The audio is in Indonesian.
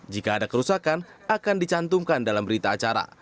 jika ada kerusakan akan dicantumkan dalam berita acara